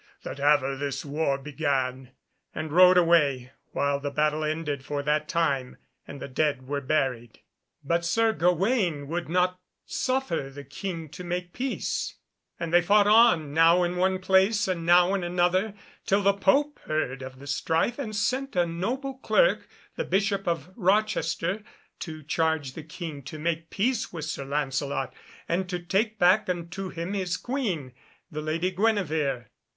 that ever this war began," and rode away, while the battle ended for that time and the dead were buried. But Sir Gawaine would not suffer the King to make peace, and they fought on, now in one place, and now in another, till the Pope heard of the strife and sent a noble clerk, the Bishop of Rochester, to charge the King to make peace with Sir Lancelot, and to take back unto him his Queen, the Lady Guenevere.